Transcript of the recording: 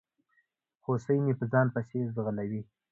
هوسۍ مې په ځان پسي ځغلوي